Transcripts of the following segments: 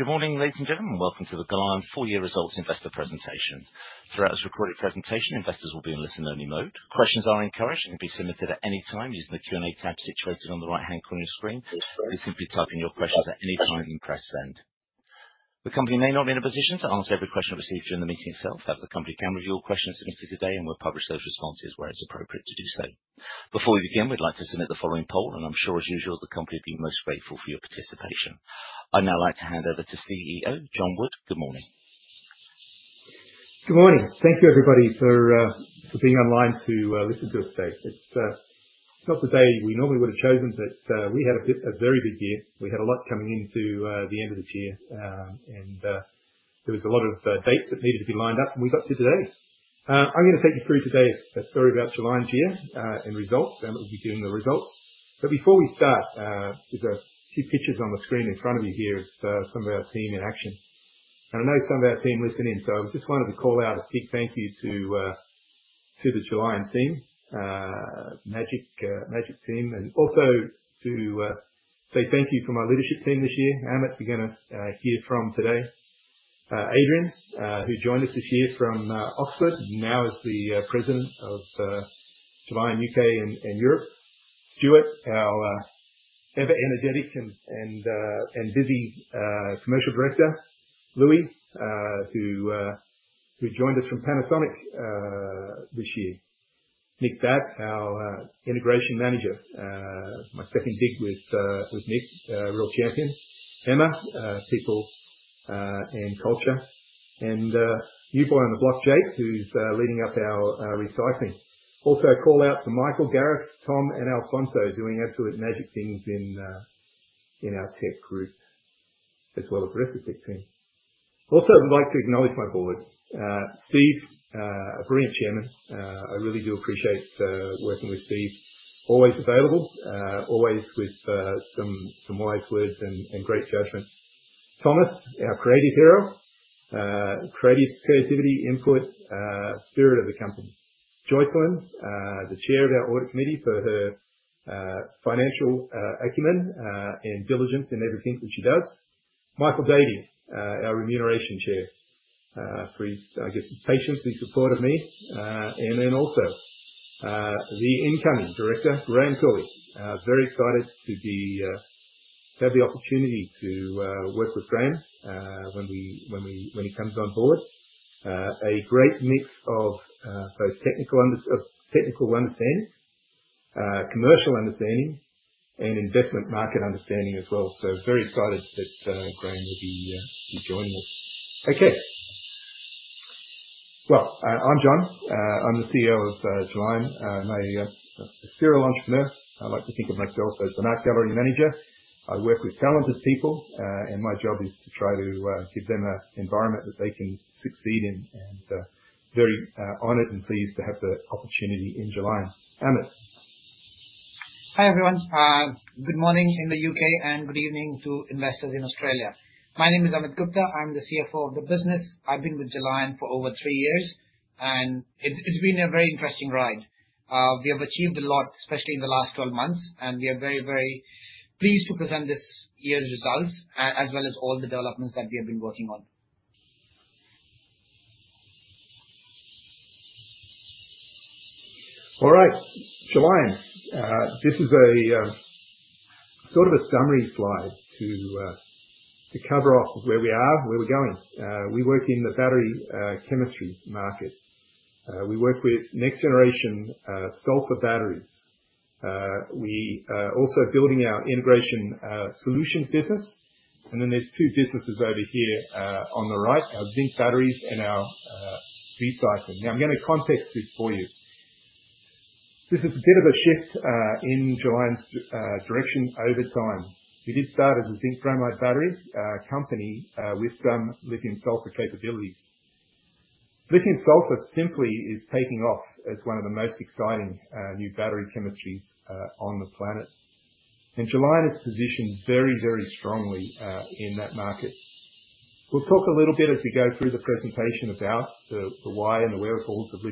Good morning, ladies and gentlemen. Welcome to the Gelion full-year results investor presentation. Throughout this recorded presentation, investors will be in listen-only mode. Questions are encouraged and can be submitted at any time using the Q&A tab situated on the right-hand corner of your screen. Please simply type in your questions at any time and press send. The company may not be in a position to answer every question received during the meeting itself. That the company can review your questions submitted today and will publish those responses where it's appropriate to do so. Before we begin, we'd like to submit the following poll, and I'm sure, as usual, the company will be most grateful for your participation. I'd now like to hand over to CEO John Wood. Good morning. Good morning. Thank you, everybody, for being online to listen to us today. It's not the day we normally would have chosen, but we had a very big year. We had a lot coming into the end of this year, and there was a lot of dates that needed to be lined up, and we got to today. I'm going to take you through today a story about Gelion's year and results, and we'll be doing the results. But before we start, there's a few pictures on the screen in front of you here of some of our team in action. I know some of our team listen in, so I just wanted to call out a big thank you to the Gelion team, magic team, and also to say thank you from our leadership team this year. Amit, you're going to hear from today, Adrien, who joined us this year from OXLiD, now as the President of Gelion U.K. and Europe, Stuart, our ever-energetic and busy Commercial Director, Louis, who joined us from Panasonic this year, Nick Batt, our integration manager, my second gig with Nick, a real champion, Amit, people and culture, and newborn on the block, Jake, who's leading up our recycling. Also a call out to Michael, Gareth, Tom, and Alfonso doing absolute magic things in our tech group, as well as the rest of the tech team. Also, I'd like to acknowledge my board, Steve, a brilliant Chairman. I really do appreciate working with Steve, always available, always with some wise words and great judgment. Thomas, our creative hero, creativity, input, spirit of the company. Joycelyn, the chair of our audit committee for her financial acumen and diligence in everything that she does. Michael Davies, our remuneration chair, for his, I guess, patience, his support of me, and then also the incoming director, Graham Cooley. Very excited to have the opportunity to work with Graham when he comes on board. A great mix of both technical understanding, commercial understanding, and investment market understanding as well. So very excited that Graham will be joining us. Okay. Well, I'm John. I'm the CEO of Gelion. I'm a serial entrepreneur. I like to think of myself as the marketing manager. I work with talented people, and my job is to try to give them an environment that they can succeed in, and very honored and pleased to have the opportunity in Gelion. Amit. Hi everyone. Good morning in the U.K. and good evening to investors in Australia. My name is Amit Gupta. I'm the CFO of the business. I've been with Gelion for over three years, and it's been a very interesting ride. We have achieved a lot, especially in the last 12 months, and we are very, very pleased to present this year's results, as well as all the developments that we have been working on. All right, Gelion. This is sort of a summary slide to cover off where we are, where we're going. We work in the battery chemistry market. We work with next-generation sulfur batteries. We are also building our integration solutions business. And then there's two businesses over here on the right, our zinc batteries and our recycling. Now I'm going to context this for you. This is a bit of a shift in Gelion's direction over time. We did start as a zinc bromide battery company with some lithium-sulfur capabilities. Lithium-sulfur simply is taking off as one of the most exciting new battery chemistries on the planet. And Gelion is positioned very, very strongly in that market. We'll talk a little bit as we go through the presentation about the why and the wherewithals of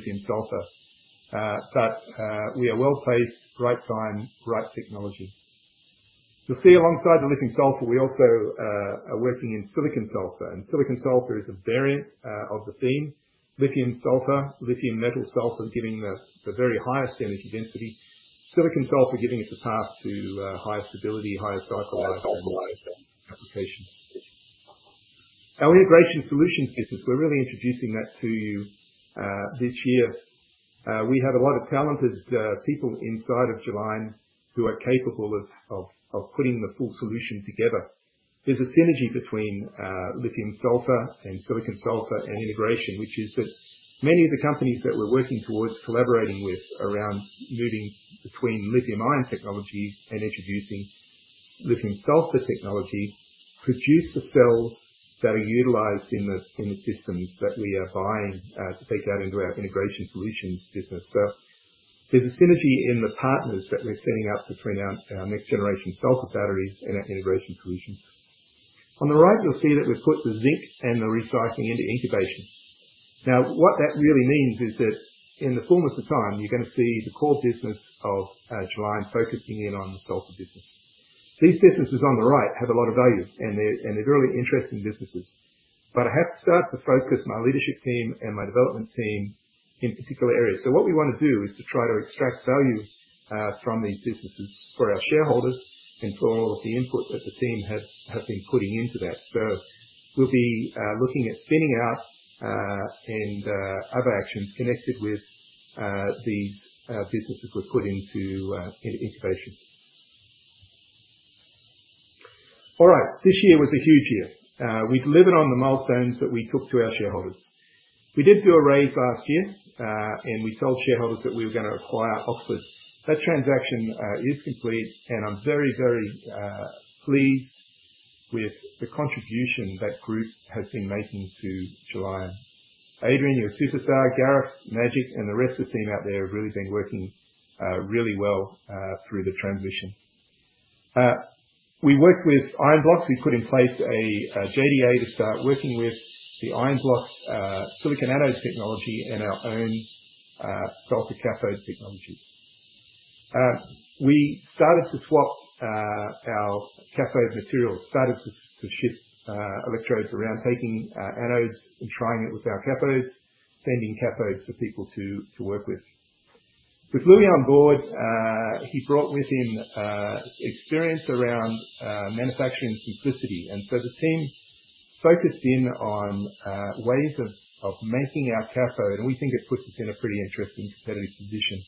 lithium-sulfur, but we are well placed, right time, right technology. You'll see alongside the lithium-sulfur, we also are working in silicon-sulfur. And silicon-sulfur is a variant of the theme. Lithium-sulfur, lithium metal sulfur giving the very highest energy density. Silicon-sulfur giving us a path to higher stability, higher cycle life applications. Our integration solutions business, we're really introducing that to you this year. We have a lot of talented people inside of Gelion who are capable of putting the full solution together. There's a synergy between lithium-sulfur and silicon-sulfur and integration, which is that many of the companies that we're working towards collaborating with around moving between lithium-ion technologies and introducing lithium-sulfur technology produce the cells that are utilized in the systems that we are buying to take that into our integration solutions business. So there's a synergy in the partners that we're setting up between our next-generation sulfur batteries and our integration solutions. On the right, you'll see that we've put the zinc and the recycling into incubation. Now, what that really means is that in the foremost of time, you're going to see the core business of Gelion focusing in on the sulfur business. These businesses on the right have a lot of value, and they're really interesting businesses. But I have to start to focus my leadership team and my development team in particular areas. So what we want to do is to try to extract value from these businesses for our shareholders and for all of the input that the team have been putting into that. So we'll be looking at spinning out and other actions connected with these businesses we've put into incubation. All right, this year was a huge year. We delivered on the milestones that we took to our shareholders. We did do a raise last year, and we told shareholders that we were going to acquire OXLiD. That transaction is complete, and I'm very, very pleased with the contribution that group has been making to Gelion. Adrien, your superstar, Gareth Madge, and the rest of the team out there have really been working really well through the transition. We worked with Ionblox. We put in place a JDA to start working with the Ionblox silicon anode technology and our own sulfur cathode technology. We started to swap our cathode materials, started to shift electrodes around, taking anodes and trying it with our cathodes, sending cathodes for people to work with. With Louis on board, he brought with him experience around manufacturing simplicity. And so the team focused in on ways of making our cathode, and we think it puts us in a pretty interesting competitive position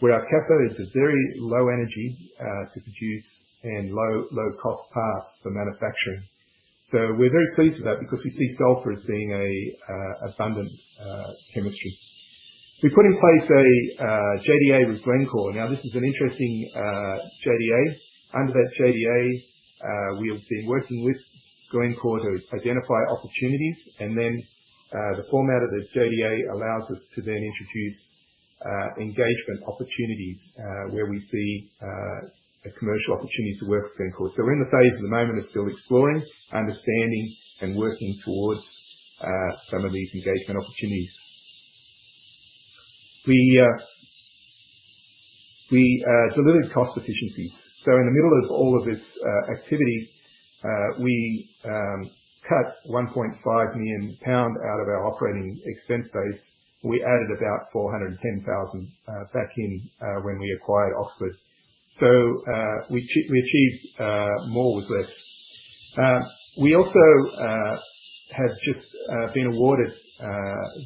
where our cathode is a very low energy to produce and low-cost path for manufacturing. So we're very pleased with that because we see sulfur as being an abundant chemistry. We put in place a JDA with Glencore. Now, this is an interesting JDA. Under that JDA, we've been working with Glencore to identify opportunities, and then the format of the JDA allows us to then introduce engagement opportunities where we see a commercial opportunity to work with Glencore. So we're in the phase at the moment of still exploring, understanding, and working towards some of these engagement opportunities. We delivered cost efficiencies. So in the middle of all of this activity, we cut 1.5 million pound out of our operating expense base. We added about 410,000 back in when we acquired OXLiD. So we achieved more with less. We also have just been awarded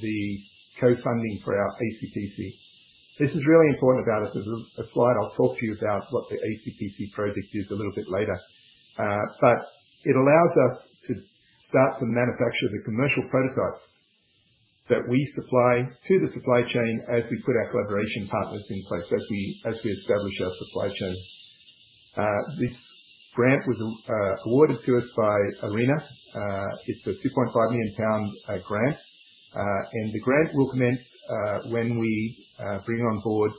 the co-funding for our ACPC. This is really important about us. There's a slide I'll talk to you about what the ACPC project is a little bit later. But it allows us to start to manufacture the commercial prototypes that we supply to the supply chain as we put our collaboration partners in place, as we establish our supply chain. This grant was awarded to us by ARENA. It's a 2.5 million pound grant. And the grant will commence when we bring on board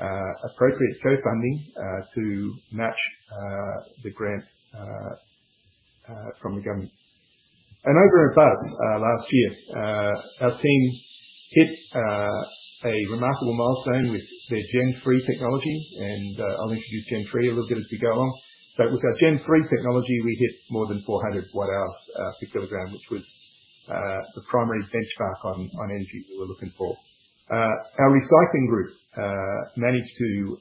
appropriate co-funding to match the grant from the government. And over and above, last year, our team hit a remarkable milestone with their Gen 3 technology. And I'll introduce Gen 3 a little bit as we go along. But with our Gen 3 technology, we hit more than 400 Wh per kilogram, which was the primary benchmark on energy we were looking for. Our recycling group managed to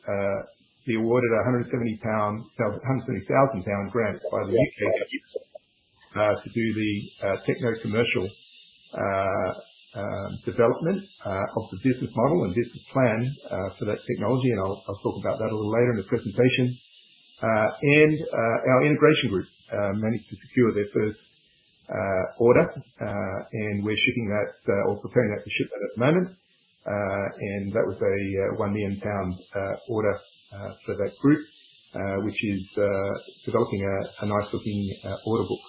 be awarded a 170,000 pound grant by the U.K. government to do the techno-commercial development of the business model and business plan for that technology. And I'll talk about that a little later in the presentation. And our integration group managed to secure their first order, and we're shipping that or preparing that to ship that at the moment. And that was a 1 million pound order for that group, which is developing a nice-looking order book.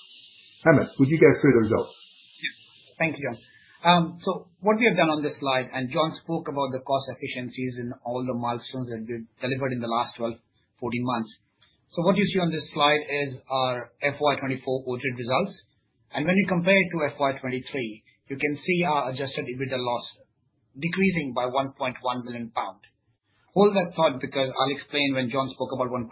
Amit, would you go through the results? Yep. Thank you, John. What we have done on this slide, and John spoke about the cost efficiencies and all the milestones that we've delivered in the last 12, 14 months. What you see on this slide is our FY 2024 audited results. When you compare it to FY 2023, you can see our adjusted EBITDA loss decreasing by 1.1 million pound. Hold that thought because I'll explain when John spoke about 1.5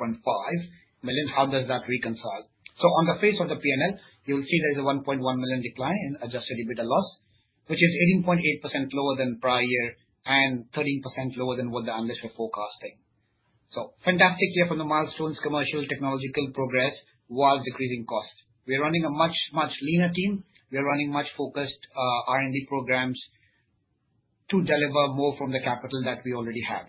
million, how does that reconcile? On the face of the P&L, you'll see there's a 1.1 million decline in adjusted EBITDA loss, which is 18.8% lower than prior year and 13% lower than what the analysts were forecasting. Fantastic year for the milestones, commercial, technological progress, while decreasing cost. We're running a much, much leaner team. We're running much focused R&D programs to deliver more from the capital that we already have.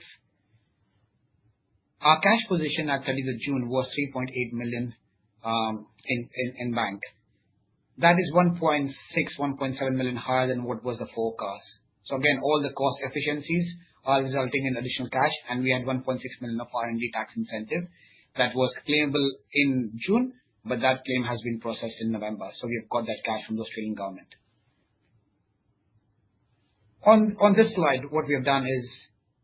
Our cash position at the end of June was 3.8 million in bank. That is 1.6 million-1.7 million higher than what was the forecast. So again, all the cost efficiencies are resulting in additional cash, and we had 1.6 million of R&D tax incentive. That was claimable in June, but that claim has been processed in November. So we have got that cash from the Australian government. On this slide, what we have done is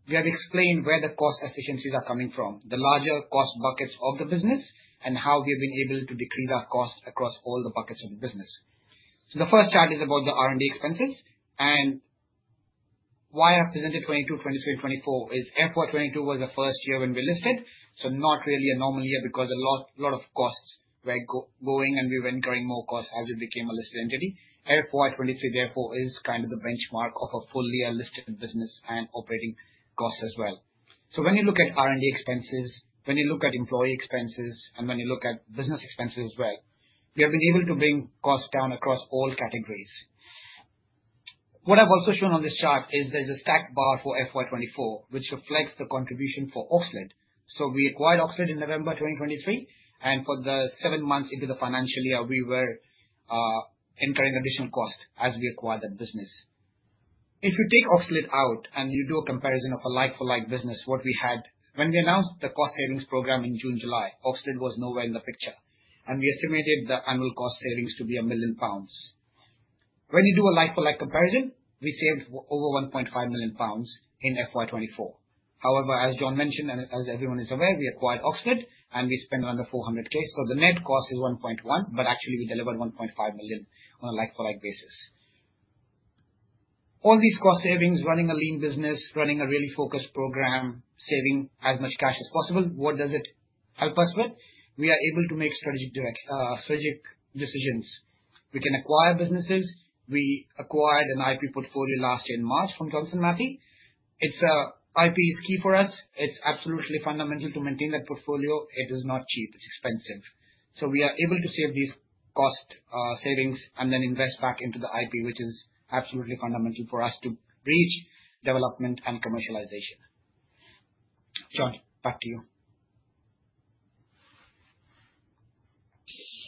we have explained where the cost efficiencies are coming from, the larger cost buckets of the business, and how we have been able to decrease our costs across all the buckets of the business. So the first chart is about the R&D expenses, and why I presented 2022, 2023, and 2024 is FY 2022 was the first year when we listed. So not really a normal year because a lot of costs were going, and we went growing more costs as we became a listed entity. FY 2023, therefore, is kind of the benchmark of a fully listed business and operating costs as well. So when you look at R&D expenses, when you look at employee expenses, and when you look at business expenses as well, we have been able to bring costs down across all categories. What I've also shown on this chart is there's a stacked bar for FY 2024, which reflects the contribution for OXLiD. So we acquired OXLiD in November 2023, and for the seven months into the financial year, we were incurring additional costs as we acquired that business. If you take OXLiD out and you do a comparison of a like-for-like business, what we had when we announced the cost savings program in June-July, OXLiD was nowhere in the picture. We estimated the annual cost savings to be 1 million pounds. When you do a like-for-like comparison, we saved over 1.5 million pounds in FY 2024. However, as John mentioned and as everyone is aware, we acquired OXLiD, and we spent around 400,000. So the net cost is 1.1 million, but actually, we delivered 1.5 million on a like-for-like basis. All these cost savings, running a lean business, running a really focused program, saving as much cash as possible, what does it help us with? We are able to make strategic decisions. We can acquire businesses. We acquired an IP portfolio last year in March from Johnson Matthey. IP is key for us. It's absolutely fundamental to maintain that portfolio. It is not cheap. It's expensive. So we are able to save these cost savings and then invest back into the IP, which is absolutely fundamental for us to reach development and commercialization. John, back to you.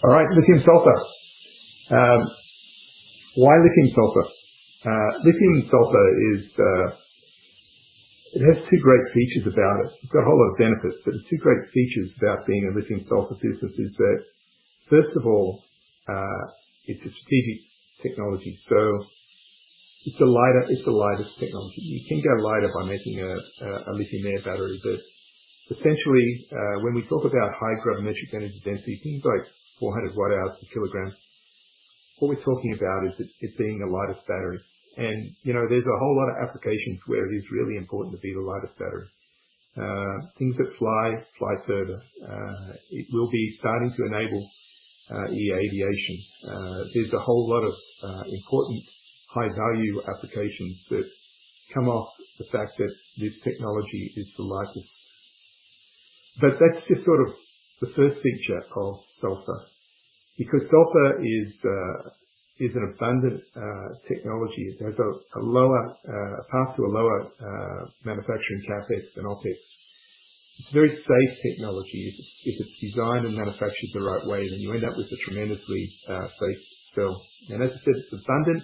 All right, lithium-sulfur. Why lithium-sulfur? Lithium-sulfur has two great features about it. It's got a whole lot of benefits, but the two great features about being a lithium-sulfur business is that, first of all, it's a strategic technology. So it's the lightest technology. You can go lighter by making a lithium-ion battery. But essentially, when we talk about high gravimetric energy density, things like 400 Wh per kilogram, what we're talking about is it being the lightest battery. And there's a whole lot of applications where it is really important to be the lightest battery. Things that fly, fly further. It will be starting to enable aviation. There's a whole lot of important high-value applications that come off the fact that this technology is the lightest. But that's just sort of the first feature of sulfur because sulfur is an abundant technology. It has a path to a lower manufacturing CapEx than OpEx. It's a very safe technology. If it's designed and manufactured the right way, then you end up with a tremendously safe cell. And as I said, it's abundant,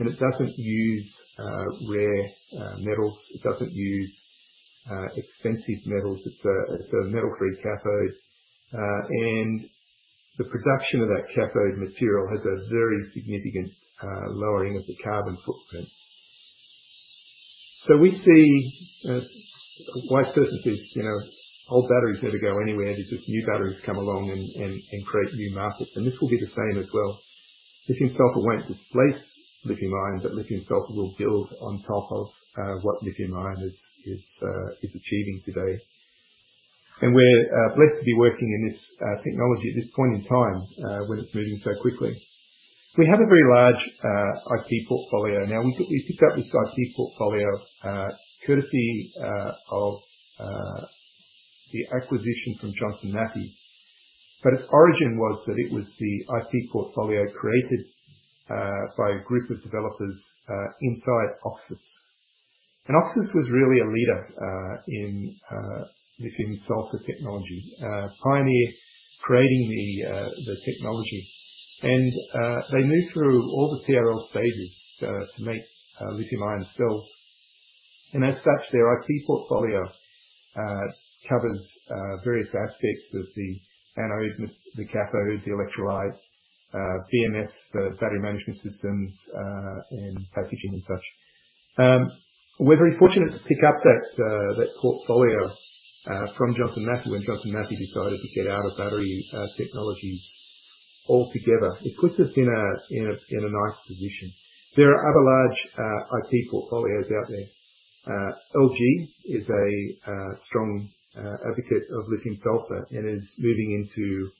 and it doesn't use rare metals. It doesn't use expensive metals. It's a metal-free cathode. And the production of that cathode material has a very significant lowering of the carbon footprint. So we see why. Certainly old batteries never go anywhere. There's just new batteries come along and create new markets. And this will be the same as well. Lithium-sulfur won't displace lithium-ion, but lithium-sulfur will build on top of what lithium-ion is achieving today. And we're blessed to be working in this technology at this point in time when it's moving so quickly. We have a very large IP portfolio. Now, we picked up this IP portfolio courtesy of the acquisition from Johnson Matthey. But its origin was that it was the IP portfolio created by a group of developers inside Oxis. And Oxis was really a leader in lithium-sulfur technology, pioneer creating the technology. And they moved through all the TRL stages to make lithium-ion cells. And as such, their IP portfolio covers various aspects of the anode, the cathode, the electrolyte, BMS, the battery management systems, and packaging and such. We're very fortunate to pick up that portfolio from Johnson Matthey when Johnson Matthey decided to get out of battery technologies altogether. It puts us in a nice position. There are other large IP portfolios out there. LG is a strong advocate of lithium-sulfur and is moving into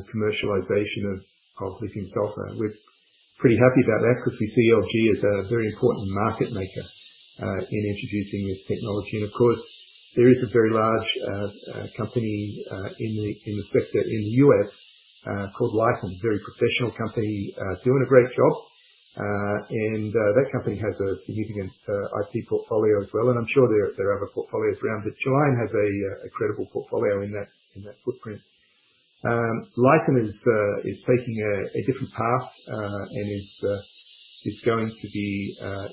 the commercialization of lithium-sulfur. We're pretty happy about that because we see LG as a very important market maker in introducing this technology. Of course, there is a very large company in the sector in the U.S. called Lyten, a very professional company doing a great job. That company has a significant IP portfolio as well. I'm sure there are other portfolios around. But Gelion has a credible portfolio in that footprint. Lyten is taking a different path and is going to be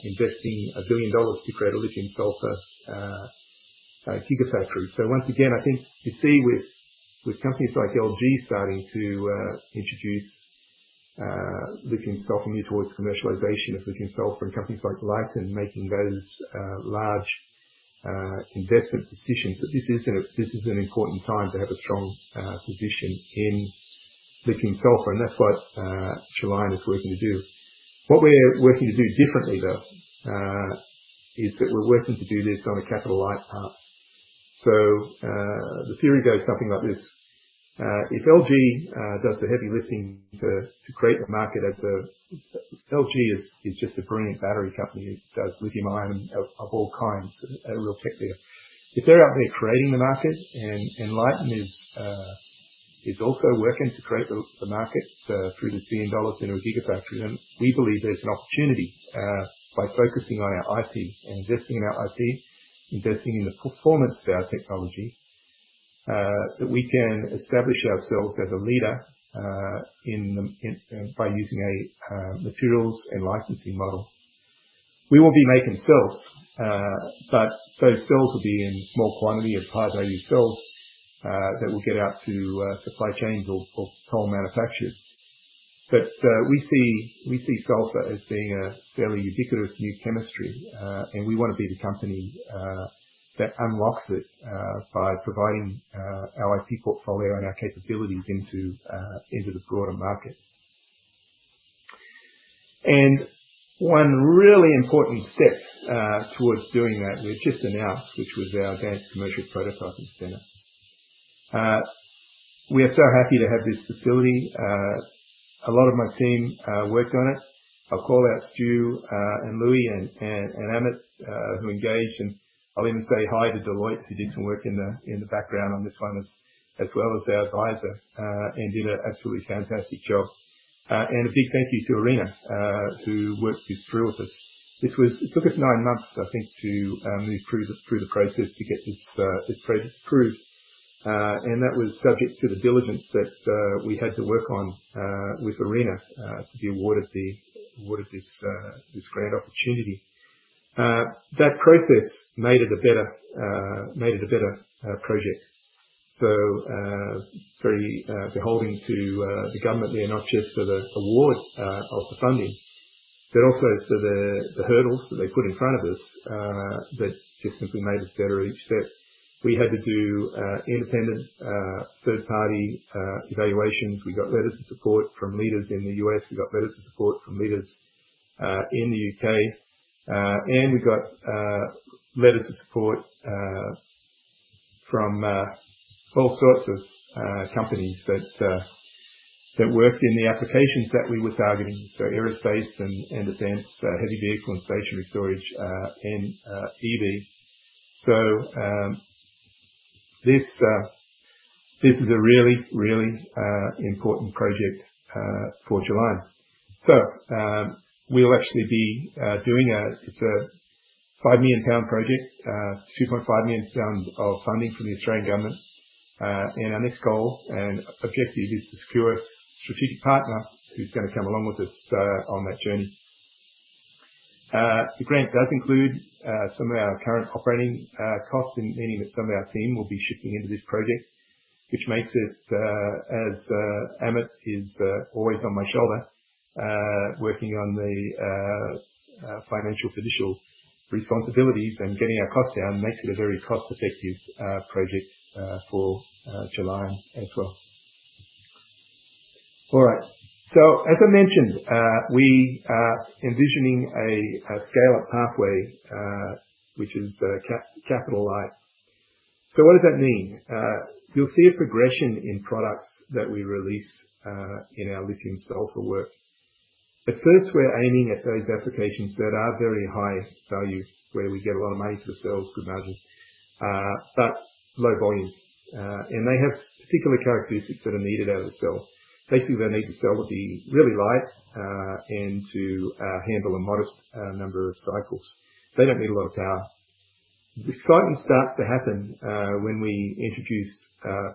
investing $1 billion to create a lithium-sulfur gigafactory. Once again, I think you see with companies like LG starting to introduce lithium-sulfur now towards commercialization of lithium-sulfur and companies like Lyten making those large investment decisions that this is an important time to have a strong position in lithium-sulfur. That's what Gelion is working to do. What we're working to do differently, though, is that we're working to do this on a capital light path. So the theory goes something like this. If LG does the heavy lifting to create the market as LG is just a brilliant battery company. It does lithium-ion of all kinds, a real tech leader. If they're out there creating the market and Lyten is also working to create the market through this $1 billion in a gigafactory, then we believe there's an opportunity by focusing on our IP and investing in our IP, investing in the performance of our technology, that we can establish ourselves as a leader by using materials and licensing model. We will be making cells, but those cells will be in small quantity of high-value cells that will get out to supply chains or cell manufacturers. But we see sulfur as being a fairly ubiquitous new chemistry. We want to be the company that unlocks it by providing our IP portfolio and our capabilities into the broader market. One really important step towards doing that, we've just announced, which was our Advanced Commercial Prototyping Center. We are so happy to have this facility. A lot of my team worked on it. I'll call out Stu and Louis and Amit who engaged. I'll even say hi to Deloitte who did some work in the background on this one as well as our advisor and did an absolutely fantastic job. A big thank you to ARENA, who worked just through with us. It took us nine months, I think, to move through the process to get this project approved. That was subject to the diligence that we had to work on with ARENA to be awarded this grant opportunity. That process made it a better project. We are very beholden to the government there, not just for the award of the funding, but also for the hurdles that they put in front of us that just simply made us better each step. We had to do independent third-party evaluations. We got letters of support from leaders in the U.S. We got letters of support from leaders in the U.K. We got letters of support from all sorts of companies that worked in the applications that we were targeting. Aerospace and advanced heavy vehicle and stationary storage and EV. This is a really, really important project for Gelion. We'll actually be doing. It's a 5 million pound project, 2.5 million pounds of funding from the Australian government. Our next goal and objective is to secure a strategic partner who's going to come along with us on that journey. The grant does include some of our current operating costs, meaning that some of our team will be shifting into this project, which makes it, as Amit is always on my shoulder, working on the financial and fiduciary responsibilities and getting our costs down, makes it a very cost-effective project for Gelion as well. All right. So as I mentioned, we are envisioning a scale-up pathway, which is the capital light. So what does that mean? You'll see a progression in products that we release in our lithium-sulfur work. At first, we're aiming at those applications that are very high value, where we get a lot of money for the cells, good margins, but low volume. And they have particular characteristics that are needed out of the cell. Basically, they need the cell to be really light and to handle a modest number of cycles. They don't need a lot of power. The excitement starts to happen when we introduce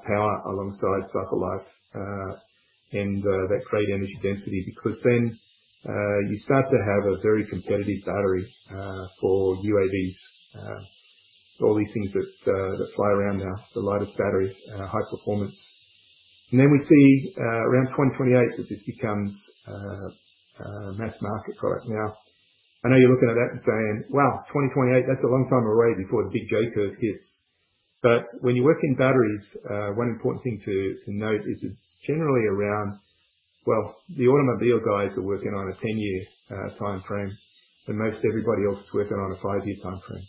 power alongside cycle life and that great energy density because then you start to have a very competitive battery for UAVs, all these things that fly around now, the lightest batteries, high performance. And then we see around 2028 that this becomes a mass market product. Now, I know you're looking at that and saying, "Wow, 2028, that's a long time already before the big J curve hits." But when you work in batteries, one important thing to note is it's generally around, well, the automobile guys are working on a 10-year time frame, and most everybody else is working on a five-year time frame.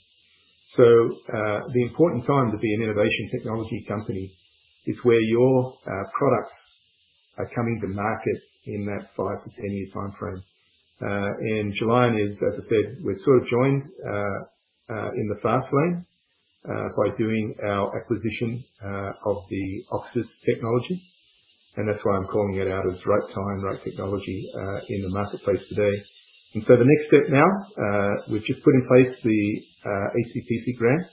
The important time to be an innovative technology company is where your products are coming to market in that five- to 10-year time frame. Gelion is, as I said, we've sort of joined in the fast lane by doing our acquisition of the OXLiD technology. That's why I'm calling it out as right time, right technology in the marketplace today. The next step now, we've just put in place the ACPC grant.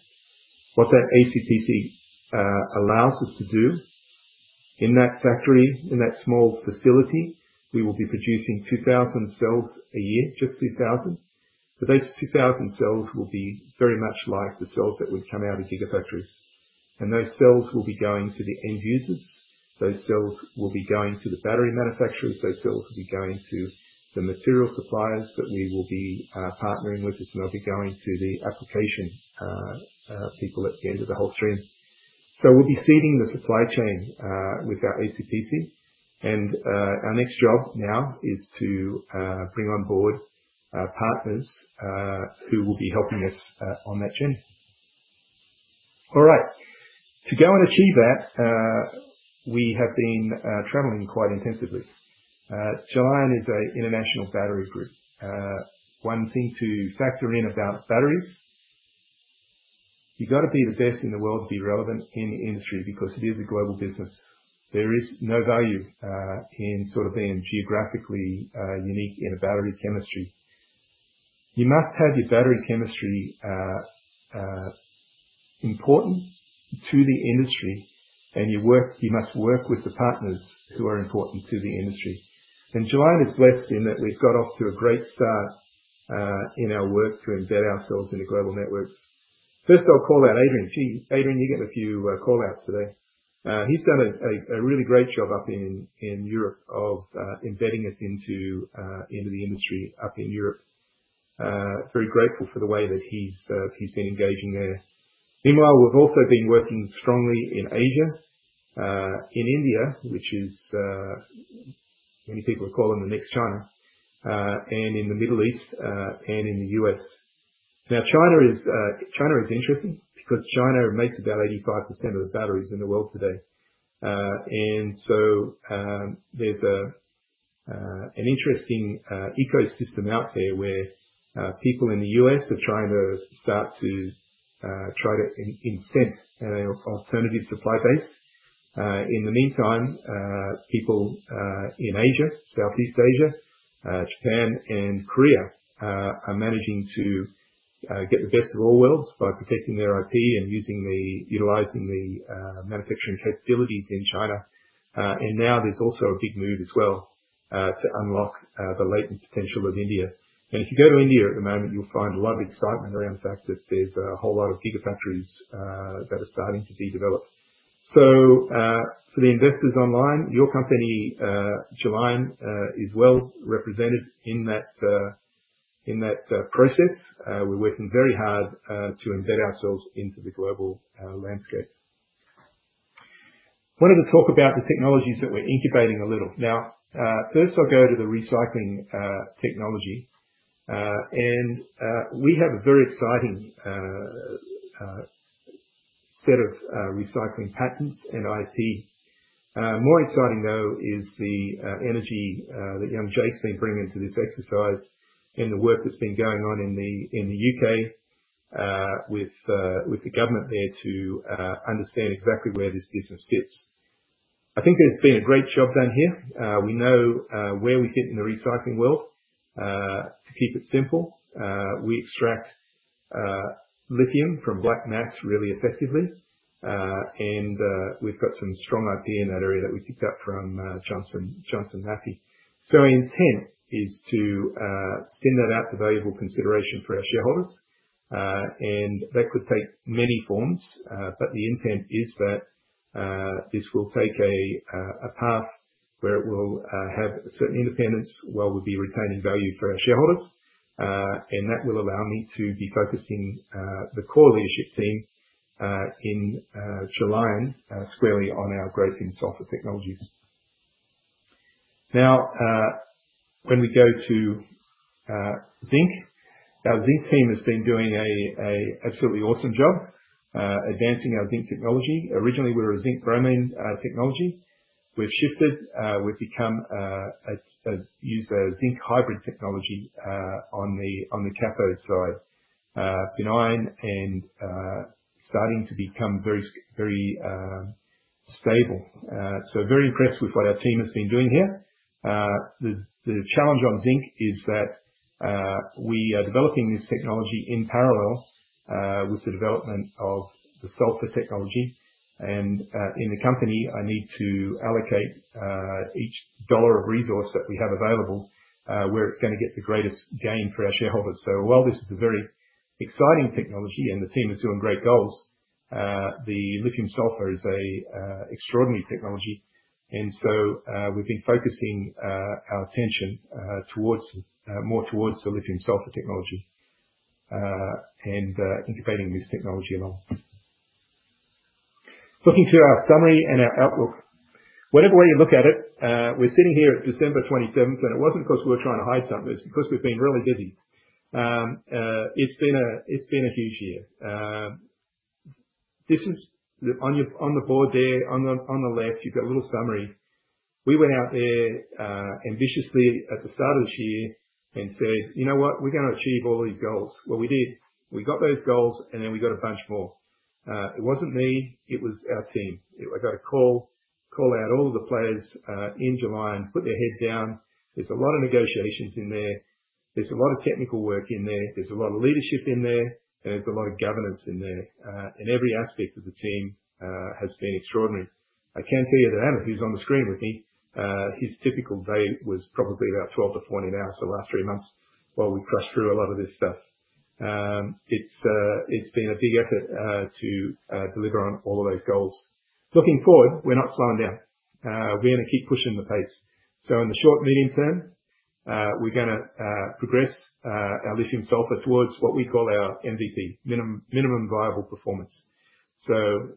What that ACPC allows us to do in that factory, in that small facility, we will be producing 2,000 cells a year, just 2,000. Those 2,000 cells will be very much like the cells that would come out of gigafactories. Those cells will be going to the end users. Those cells will be going to the battery manufacturers. Those cells will be going to the material suppliers that we will be partnering with, and they'll be going to the application people at the end of the whole stream, so we'll be seeding the supply chain with our ACPC, and our next job now is to bring on board partners who will be helping us on that journey. All right. To go and achieve that, we have been traveling quite intensively. Gelion is an international battery group. One thing to factor in about batteries, you've got to be the best in the world to be relevant in the industry because it is a global business. There is no value in sort of being geographically unique in a battery chemistry. You must have your battery chemistry important to the industry, and you must work with the partners who are important to the industry. And Gelion is blessed in that we've got off to a great start in our work to embed ourselves in the global networks. First, I'll call out Adrien. Gee, Adrien, you're getting a few callouts today. He's done a really great job up in Europe of embedding us into the industry up in Europe. Very grateful for the way that he's been engaging there. Meanwhile, we've also been working strongly in Asia, in India, which many people call them the next China, and in the Middle East and in the U.S. Now, China is interesting because China makes about 85% of the batteries in the world today. And so there's an interesting ecosystem out there where people in the U.S. are trying to start to incent an alternative supply base. In the meantime, people in Asia, Southeast Asia, Japan, and Korea are managing to get the best of all worlds by protecting their IP and utilizing the manufacturing capabilities in China. And now there's also a big move as well to unlock the latent potential of India. And if you go to India at the moment, you'll find a lot of excitement around the fact that there's a whole lot of gigafactories that are starting to be developed. So for the investors online, your company, Gelion, is well represented in that process. We're working very hard to embed ourselves into the global landscape. Wanted to talk about the technologies that we're incubating a little. Now, first, I'll go to the recycling technology. And we have a very exciting set of recycling patents and IP. More exciting, though, is the energy that young Jake has been bringing to this exercise and the work that's been going on in the U.K. with the government there to understand exactly where this business fits. I think there's been a great job done here. We know where we fit in the recycling world. To keep it simple, we extract lithium from black mass really effectively, and we've got some strong IP in that area that we picked up from Johnson Matthey, so our intent is to send that out to valuable consideration for our shareholders, and that could take many forms, but the intent is that this will take a path where it will have certain independence while we'll be retaining value for our shareholders, and that will allow me to be focusing the core leadership team in Gelion squarely on our growth in sulfur technologies. Now, when we go to zinc, our zinc team has been doing an absolutely awesome job advancing our zinc technology. Originally, we were a zinc-bromide technology. We've shifted. We've used a zinc hybrid technology on the cathode side, benign and starting to become very stable. So very impressed with what our team has been doing here. The challenge on zinc is that we are developing this technology in parallel with the development of the sulfur technology. And in the company, I need to allocate each dollar of resource that we have available where it's going to get the greatest gain for our shareholders. So while this is a very exciting technology and the team is doing great goals, the lithium-sulfur is an extraordinary technology. And so we've been focusing our attention more towards the lithium-sulfur technology and incubating this technology along. Looking to our summary and our outlook, whatever way you look at it, we're sitting here at December 27th, and it wasn't because we were trying to hide something. It's because we've been really busy. It's been a huge year. On the board there, on the left, you've got a little summary. We went out there ambitiously at the start of this year and said, "You know what? We're going to achieve all these goals." Well, we did. We got those goals, and then we got a bunch more. It wasn't me. It was our team. I got to call out all the players in Gelion, put their heads down. There's a lot of negotiations in there. There's a lot of technical work in there. There's a lot of leadership in there. And there's a lot of governance in there. And every aspect of the team has been extraordinary. I can tell you that Amit, who's on the screen with me, his typical day was probably about 12-14 hours the last three months while we crushed through a lot of this stuff. It's been a big effort to deliver on all of those goals. Looking forward, we're not slowing down. We're going to keep pushing the pace. So in the short and medium term, we're going to progress our lithium-sulfur towards what we call our MVP, minimum viable performance. So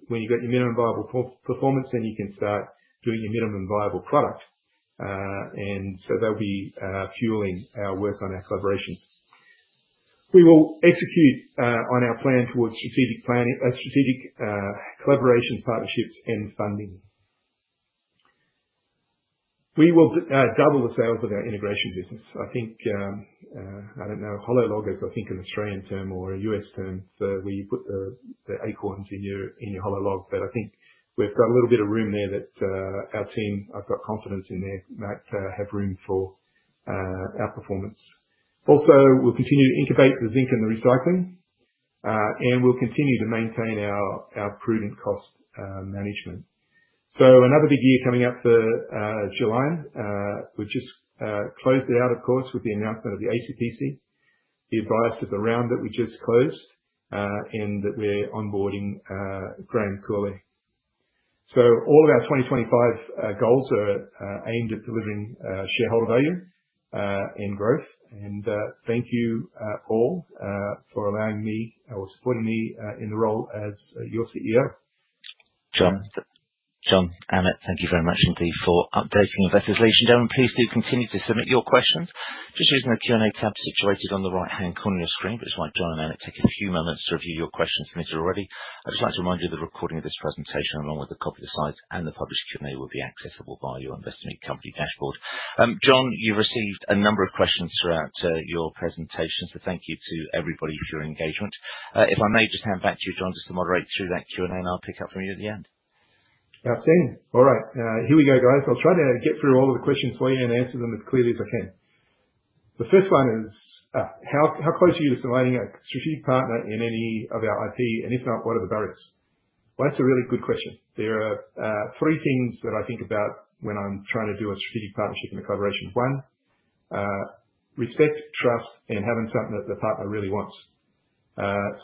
when you've got your minimum viable performance, then you can start doing your minimum viable product. And so they'll be fueling our work on our collaboration. We will execute on our plan towards strategic collaboration partnerships and funding. We will double the sales of our integration business. I don't know. Hollow log is, I think, an Australian term or a U.S. term. So where you put the ACPC in your hollow log. But I think we've got a little bit of room there that our team, I've got confidence in there, might have room for outperformance. Also, we'll continue to incubate the zinc and the recycling. And we'll continue to maintain our prudent cost management. So another big year coming up for Gelion. We just closed it out, of course, with the announcement of the ACPC, the raise of the round that we just closed, and that we're onboarding Graham Cooley. So all of our 2025 goals are aimed at delivering shareholder value and growth. And thank you all for allowing me or supporting me in the role as your CEO. John, Amit, thank you very much indeed for updating investors. Ladies and gentlemen, please do continue to submit your questions. Just using the Q&A tab situated on the right-hand corner of your screen, but it's why John and Amit take a few moments to review your questions and answer already. I'd just like to remind you the recording of this presentation, along with a copy of the slides and the published Q&A, will be accessible via your investment company dashboard. John, you've received a number of questions throughout your presentation. So thank you to everybody for your engagement. If I may, just hand back to you, John, just to moderate through that Q&A, and I'll pick up from you at the end. Absolutely. All right. Here we go, guys. I'll try to get through all of the questions for you and answer them as clearly as I can. The first one is, how close are you to selecting a strategic partner in any of our IP? And if not, what are the barriers? Well, that's a really good question. There are three things that I think about when I'm trying to do a strategic partnership and a collaboration. One, respect, trust, and having something that the partner really wants.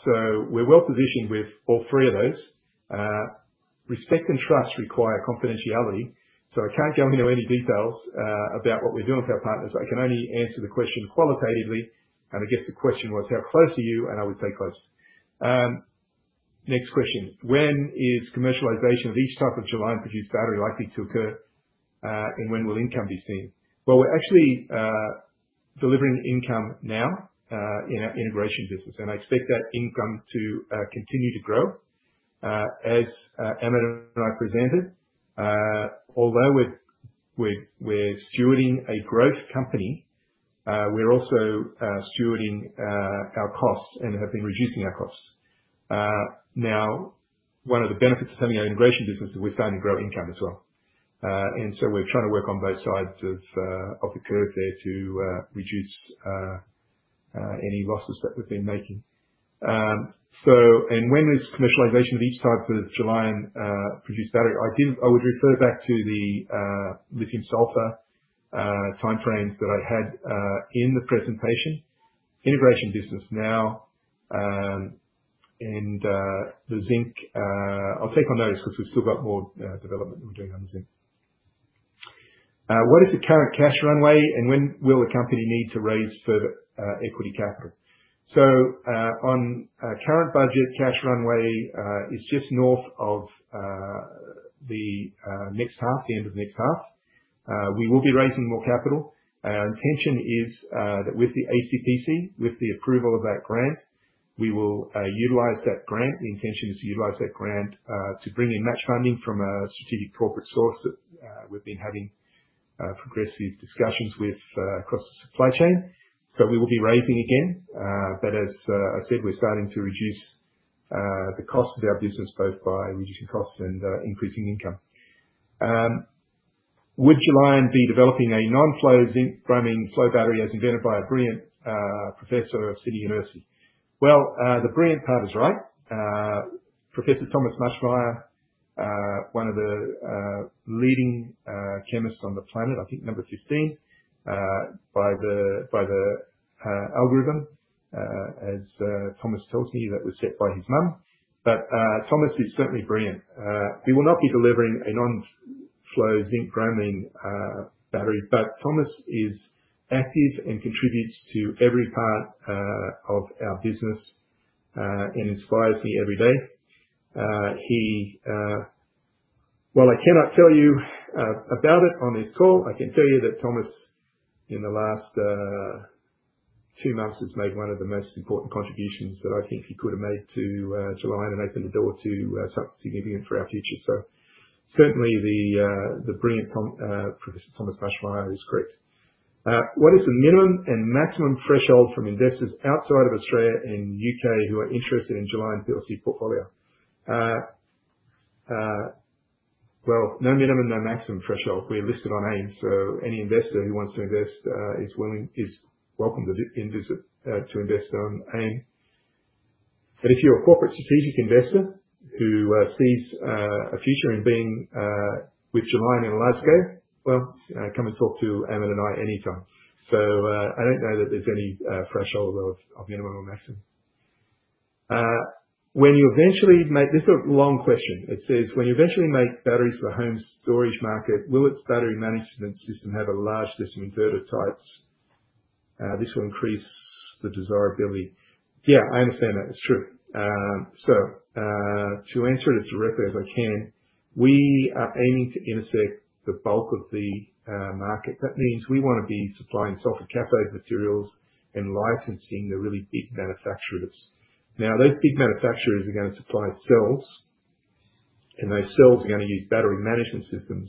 So we're well positioned with all three of those. Respect and trust require confidentiality. So I can't go into any details about what we're doing with our partners. I can only answer the question qualitatively. And I guess the question was, how close are you? And I would say close. Next question. When is commercialization of each type of Gelion-produced battery likely to occur? And when will income be seen? Well, we're actually delivering income now in our integration business. And I expect that income to continue to grow as Amit and I presented. Although we're stewarding a growth company, we're also stewarding our costs and have been reducing our costs. Now, one of the benefits of having our integration business is we're starting to grow income as well. And so we're trying to work on both sides of the curve there to reduce any losses that we've been making. And when is commercialization of each type of Gelion-produced battery? I would refer back to the lithium-sulfur time frames that I had in the presentation. Integration business now. And the zinc, I'll take on notice because we've still got more development that we're doing on the zinc. What is the current cash runway? And when will the company need to raise further equity capital? So on current budget, cash runway is just north of the next half, the end of the next half. We will be raising more capital. Our intention is that with the ACPC, with the approval of that grant, we will utilize that grant. The intention is to utilize that grant to bring in match funding from a strategic corporate source that we've been having progressive discussions with across the supply chain. We will be raising again. As I said, we're starting to reduce the cost of our business both by reducing costs and increasing income. Would Gelion be developing a non-flow zinc-bromide flow battery as invented by a brilliant professor of the University of Sydney? The brilliant part is right. Professor Thomas Maschmeyer, one of the leading chemists on the planet, I think number 15 by the algorithm, as Thomas tells me that was set by his mum. Thomas is certainly brilliant. We will not be delivering a non-flow zinc-bromide battery, but Thomas is active and contributes to every part of our business and inspires me every day. While I cannot tell you about it on this call, I can tell you that Thomas in the last two months has made one of the most important contributions that I think he could have made to Gelion and opened the door to something significant for our future. So certainly, the brilliant Professor Thomas Maschmeyer is correct. What is the minimum and maximum threshold from investors outside of Australia and the U.K. who are interested in Gelion PLC portfolio? Well, no minimum, no maximum threshold. We're listed on AIM. So any investor who wants to invest is welcome to invest on AIM. But if you're a corporate strategic investor who sees a future in being with Gelion in a large scale, well, come and talk to Amit and I anytime. So I don't know that there's any threshold of minimum or maximum. When you eventually make, this is a long question. It says, "When you eventually make batteries for the home storage market, will its battery management system have a large list of inverter types? This will increase the desirability." Yeah, I understand that. It's true. So to answer it as directly as I can, we are aiming to intersect the bulk of the market. That means we want to be supplying sulfur cathode materials and licensing the really big manufacturers. Now, those big manufacturers are going to supply cells, and those cells are going to use battery management systems.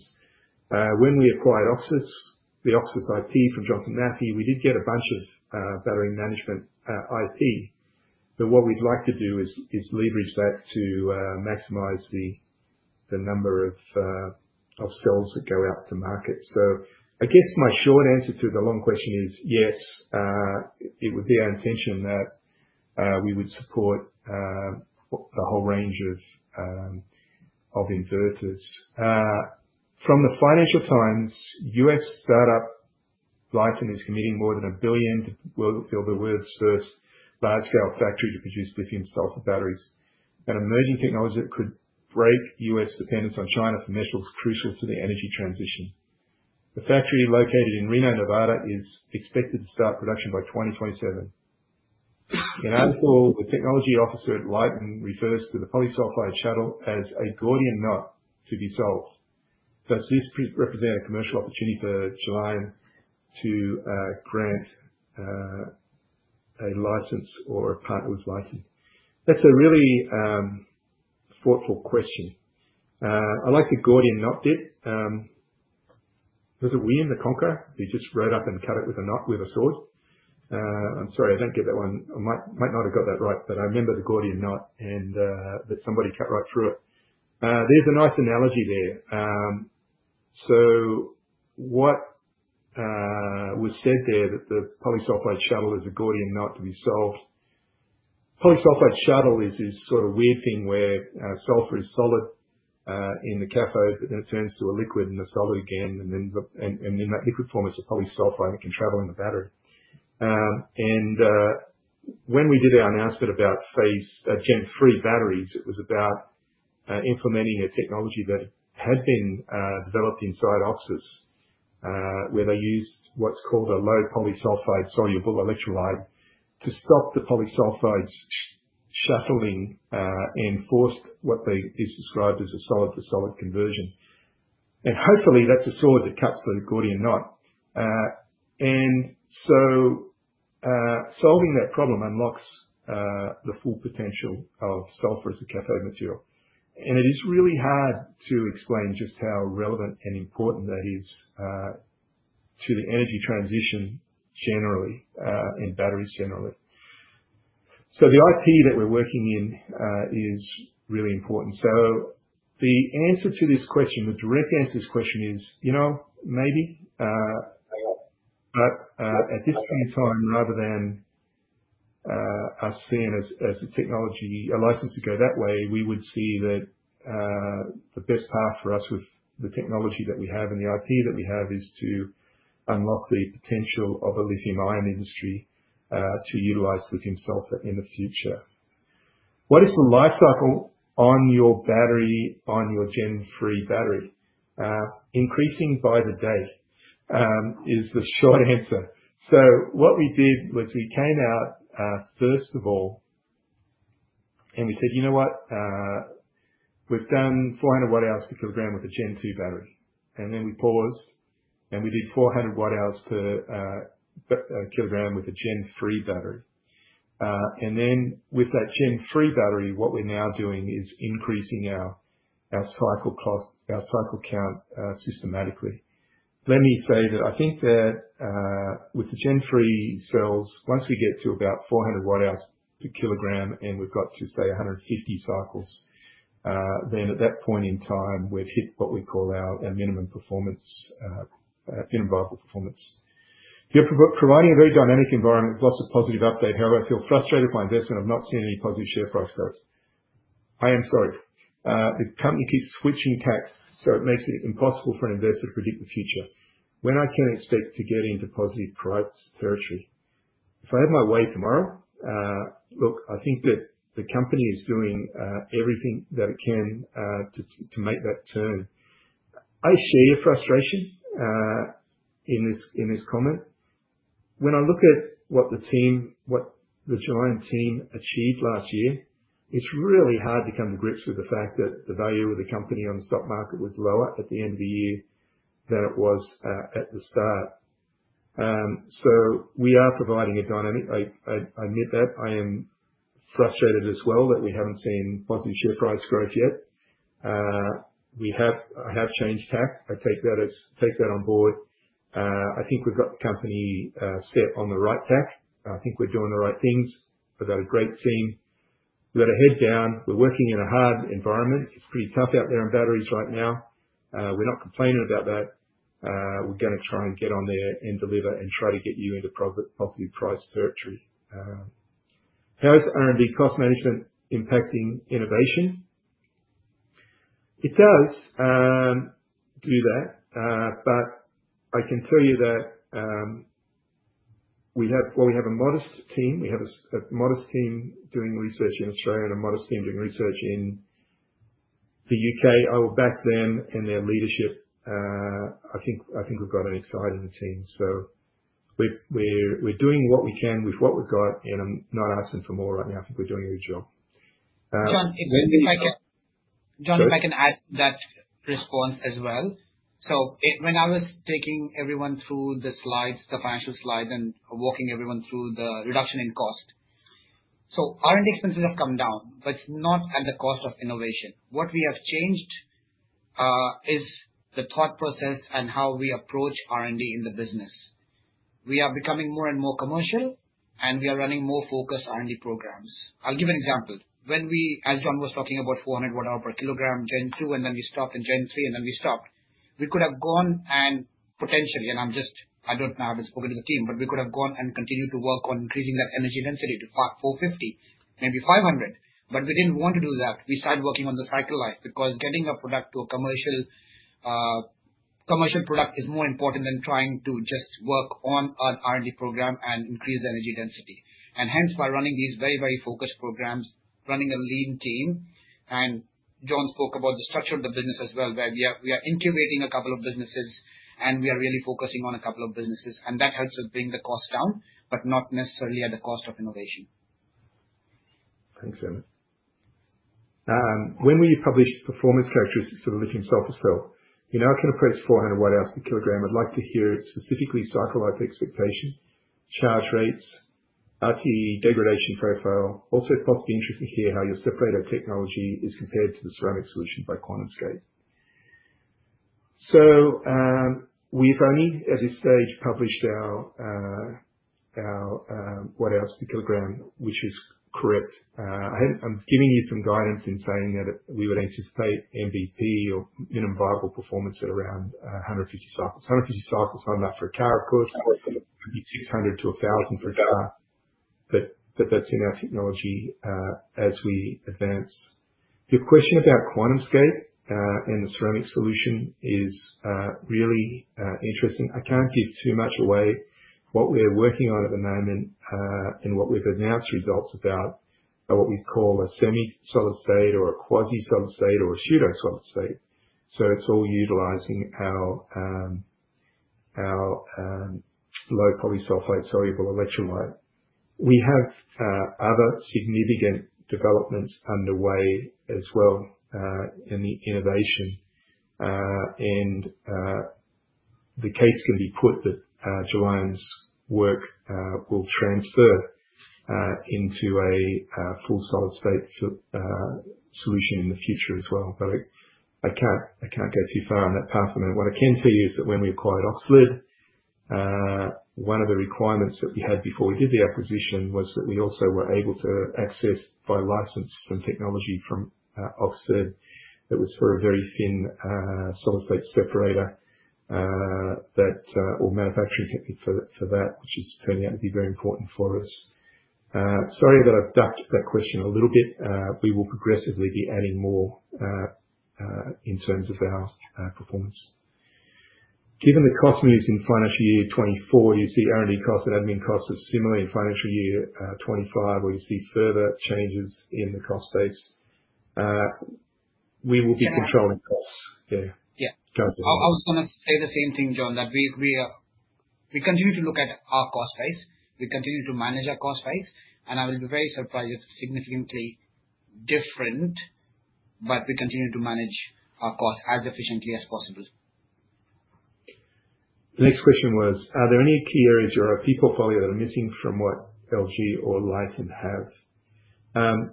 When we acquired the Oxis IP from Johnson Matthey, we did get a bunch of battery management IP. But what we'd like to do is leverage that to maximize the number of cells that go out to market. So I guess my short answer to the long question is yes, it would be our intention that we would support the whole range of inverters. From the Financial Times, U.S. startup Lyten is committing more than $1 billion to build the world's first large-scale factory to produce lithium-sulfur batteries. An emerging technology that could break U.S. dependence on China for metals crucial to the energy transition. The factory located in Reno, Nevada, is expected to start production by 2027. In our call, the technology officer at Lyten refers to the polysulfide shuttle as a Gordian knot to be solved. Does this represent a commercial opportunity for Gelion to grant a license or a partner with Lyten? That's a really thoughtful question. I like the Gordian knot bit. Was it Alexander, the conqueror? He just rode up and cut it with a sword. I'm sorry, I don't get that one. I might not have got that right. But I remember the Gordian knot and that somebody cut right through it. There's a nice analogy there. So what was said there that the polysulfide shuttle is a Gordian knot to be solved? Polysulfide shuttle is this sort of weird thing where sulfur is solid in the cathode, but then it turns to a liquid and a solid again. And then that liquid form is a polysulfide. It can travel in the battery. And when we did our announcement about Gen 3 batteries, it was about implementing a technology that had been developed inside Oxis, where they used what's called a low polysulfide soluble electrolyte to stop the polysulfides shuttling and forced what is described as a solid-to-solid conversion. And hopefully, that's a sword that cuts through the Gordian knot. And so solving that problem unlocks the full potential of sulfur as a cathode material. And it is really hard to explain just how relevant and important that is to the energy transition generally and batteries generally. So the IP that we're working in is really important. So the answer to this question, the direct answer to this question is, you know, maybe. But at this point in time, rather than us seeing as a technology a license to go that way, we would see that the best path for us with the technology that we have and the IP that we have is to unlock the potential of a lithium-ion industry to utilize lithium-sulfur in the future. What is the life cycle on your battery, on your Gen 3 battery? Increasing by the day is the short answer. So what we did was we came out, first of all, and we said, "You know what? We've done 400 Wh per kilogram with a Gen 2 battery." And then we paused. And we did 400 Wh per kilogram with a Gen 3 battery. And then with that Gen 3 battery, what we're now doing is increasing our cycle count systematically. Let me say that I think that with the Gen 3 cells, once we get to about 400 Wh per kilogram and we've got to say 150 cycles, then at that point in time, we've hit what we call our minimum performance, minimum viable performance. You're providing a very dynamic environment with lots of positive update. However, I feel frustrated with my investment. I've not seen any positive share price growth. I am sorry. The company keeps switching tacks, so it makes it impossible for an investor to predict the future. When I can expect to get into positive price territory? If I have my way tomorrow, look, I think that the company is doing everything that it can to make that turn. I share your frustration in this comment. When I look at what the team, what the Gelion team achieved last year, it's really hard to come to grips with the fact that the value of the company on the stock market was lower at the end of the year than it was at the start. So we are providing a dynamic. I admit that. I am frustrated as well that we haven't seen positive share price growth yet. I have changed tack. I take that on board. I think we've got the company set on the right tack. I think we're doing the right things. We've got a great team. We've got our head down. We're working in a hard environment. It's pretty tough out there in batteries right now. We're not complaining about that. We're going to try and get on there and deliver and try to get you into positive price territory. How is R&D cost management impacting innovation? It does do that. But I can tell you that we have a modest team. We have a modest team doing research in Australia and a modest team doing research in the U.K. I will back them and their leadership. I think we've got an exciting team. So we're doing what we can with what we've got. And I'm not asking for more right now. I think we're doing a good job. John, if I can add that response as well. So when I was taking everyone through the slides, the financial slide, and walking everyone through the reduction in cost, so R&D expenses have come down, but it's not at the cost of innovation. What we have changed is the thought process and how we approach R&D in the business. We are becoming more and more commercial, and we are running more focused R&D programs. I'll give an example. As John was talking about 400 Wh per kilogram Gen 3, and then we stopped in Gen 3, and then we stopped. We could have gone and potentially—and I don't know how to speak to the team—but we could have gone and continued to work on increasing that energy density to 450, maybe 500. But we didn't want to do that. We started working on the cycle life because getting a product to a commercial product is more important than trying to just work on an R&D program and increase the energy density. And hence, by running these very, very focused programs, running a lean team. John spoke about the structure of the business as well, where we are incubating a couple of businesses, and we are really focusing on a couple of businesses. That helps us bring the cost down, but not necessarily at the cost of innovation. Thanks, Amit. When will you publish the performance characteristics for the lithium-sulfur cell? I can approach 400 Wh per kilogram. I'd like to hear specifically cycle life expectation, charge rates, RTE degradation profile. Also, it's possibly interesting to hear how your separator technology is compared to the ceramic solution by QuantumScape. So we've only, at this stage, published our Wh per kilogram, which is correct. I'm giving you some guidance in saying that we would anticipate MVP or minimum viable performance at around 150 cycles. 150 cycles. I'm not for a car, of course. It'd be 600 to 1,000 per car. But that's in our technology as we advance. Your question about QuantumScape and the ceramic solution is really interesting. I can't give too much away. What we're working on at the moment and what we've announced results about are what we call a semi-solid state or a quasi-solid state or a pseudosolid state. So it's all utilizing our low polysulfide soluble electrolyte. We have other significant developments underway as well in the innovation. And the case can be put that Gelion's work will transfer into a full solid state solution in the future as well. But I can't go too far on that path at the moment. What I can tell you is that when we acquired OXLiD, one of the requirements that we had before we did the acquisition was that we also were able to access, by license, some technology from OXLiD that was for a very thin solid state separator or manufacturing technique for that, which is turning out to be very important for us. Sorry that I've ducked that question a little bit. We will progressively be adding more in terms of our performance. Given the cost moves in financial year 2024, you see R&D costs and admin costs are similar in financial year 2025, where you see further changes in the cost base. We will be controlling costs. Yeah. Yeah. I was going to say the same thing, John, that we continue to look at our cost base. We continue to manage our cost base. I will be very surprised if it's significantly different, but we continue to manage our cost as efficiently as possible. The next question was, are there any key areas or IP portfolio that are missing from what LG or Lyten have? As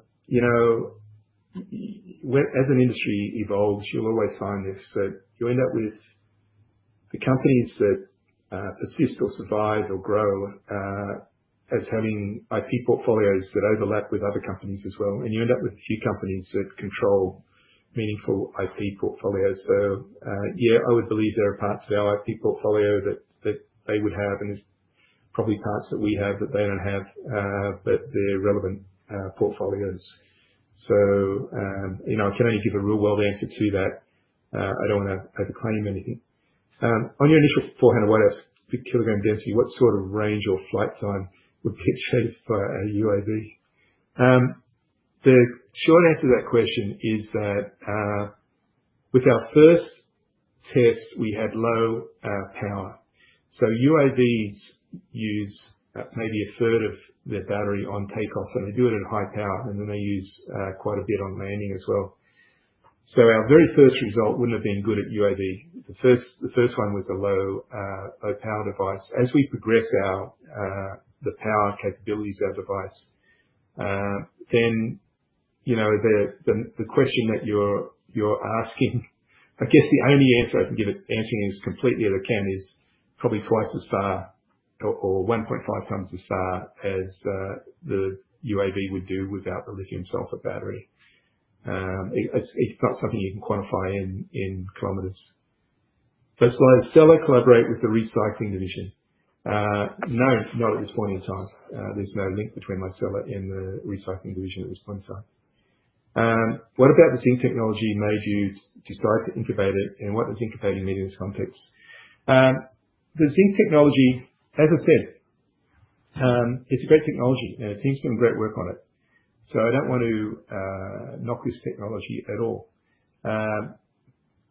an industry evolves, you'll always find this, but you end up with the companies that persist or survive or grow as having IP portfolios that overlap with other companies as well. And you end up with a few companies that control meaningful IP portfolios. So yeah, I would believe there are parts of our IP portfolio that they would have, and there's probably parts that we have that they don't have, but they're relevant portfolios. So I can only give a real-world answer to that. I don't want to overclaim anything. On your initial 400 Wh per kilogram density, what sort of range or flight time would power a UAV? The short answer to that question is that with our first test, we had low power. UAVs use maybe a third of their battery on takeoff, and they do it at high power, and then they use quite a bit on landing as well. Our very first result wouldn't have been good at UAV. The first one was a low-power device. As we progress the power capabilities of our device, then the question that you're asking, I guess the only answer I can give, answering as completely as I can, is probably twice as far or 1.5 times as far as the UAV would do without the lithium-sulfur battery. It's not something you can quantify in kilometers. Does Licella collaborate with the recycling division? No, not at this point in time. There's no link between Licella and the recycling division at this point in time. What about the zinc technology made you decide to incubate it, and what does incubating mean in this context? The zinc technology, as I said, it's a great technology, and the team's doing great work on it. So I don't want to knock this technology at all.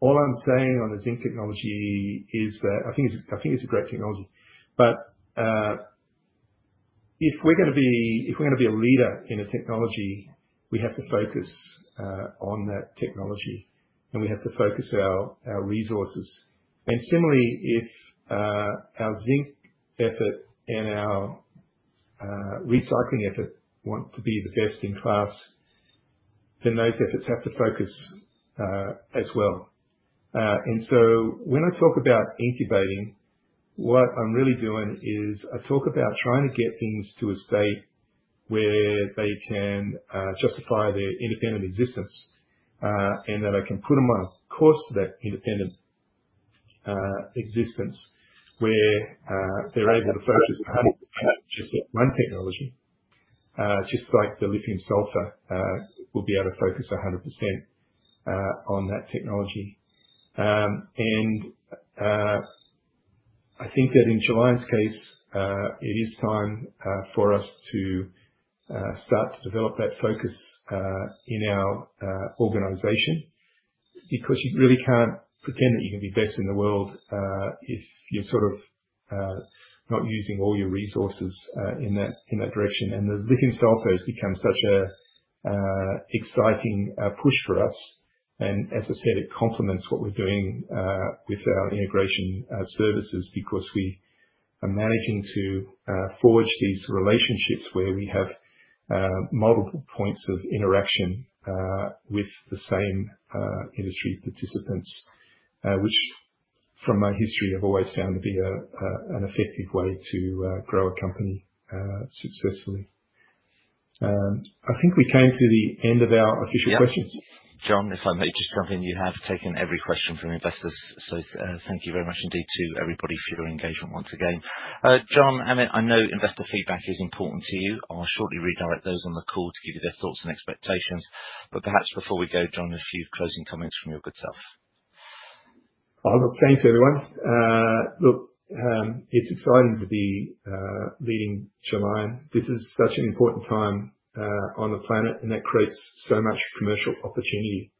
All I'm saying on the zinc technology is that I think it's a great technology. But if we're going to be a leader in a technology, we have to focus on that technology, and we have to focus our resources. And similarly, if our zinc effort and our recycling effort want to be the best in class, then those efforts have to focus as well. And so when I talk about incubating, what I'm really doing is I talk about trying to get things to a state where they can justify their independent existence and that I can put them on a course for that independent existence where they're able to focus 100% just at one technology, just like the lithium-sulfur will be able to focus 100% on that technology. And I think that in Gelion's case, it is time for us to start to develop that focus in our organization because you really can't pretend that you can be best in the world if you're sort of not using all your resources in that direction. And the lithium-sulfur has become such an exciting push for us. And as I said, it complements what we're doing with our integration solutions because we are managing to forge these relationships where we have multiple points of interaction with the same industry participants, which from my history have always found to be an effective way to grow a company successfully. I think we came to the end of our official questions. John, if I may just jump in, you have taken every question from investors. So thank you very much indeed to everybody for your engagement once again. John, Amit, I know investor feedback is important to you. I'll shortly redirect those on the call to give you their thoughts and expectations. But perhaps before we go, John, a few closing comments from your good self. I'll say to everyone, look, it's exciting to be leading Gelion. This is such an important time on the planet, and that creates so much commercial opportunity.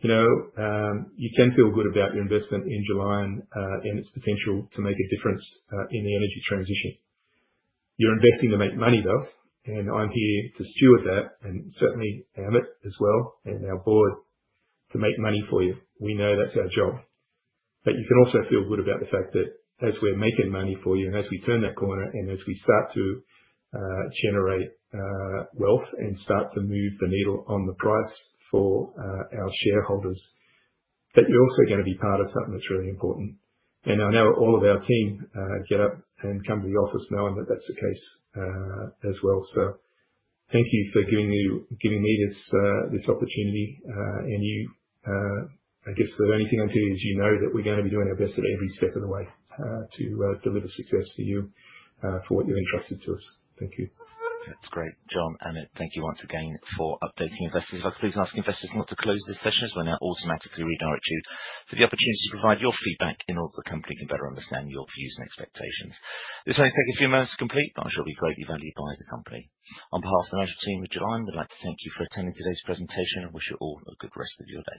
You can feel good about your investment in Gelion and its potential to make a difference in the energy transition. You're investing to make money, though, and I'm here to steward that and certainly Amit as well and our board to make money for you. We know that's our job. But you can also feel good about the fact that as we're making money for you and as we turn that corner and as we start to generate wealth and start to move the needle on the price for our shareholders, that you're also going to be part of something that's really important. And I know all of our team get up and come to the office knowing that that's the case as well. So thank you for giving me this opportunity. I guess the only thing I can tell you is you know that we're going to be doing our best at every step of the way to deliver success for you for what you're entrusted to us. Thank you. That's great. John, Amit, thank you once again for updating investors. If I could please ask investors not to close this session as we're now automatically redirected to the opportunity to provide your feedback in order that the company can better understand your views and expectations. This only takes a few moments to complete, but I'm sure it'll be greatly valued by the company. On behalf of the management team at Gelion, we'd like to thank you for attending today's presentation and wish you all a good rest of your day.